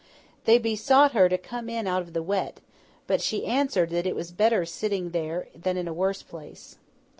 They besought her to come in out of the wet; but she answered that it was better sitting there, than in a worse place.